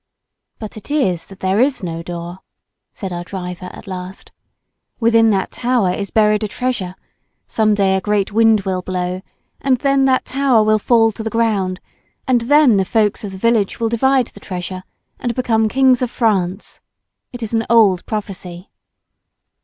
" But it is that there is no door." said our driver at last; "within that tower is buried a treasure; some day a great wind will blow, and then that tower will fall to the ground, and then the folks of the village will divide the treasure, and become kings of France. It is an old prophecy."